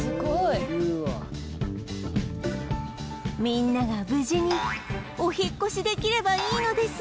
みんなが無事にお引っ越しできればいいのですが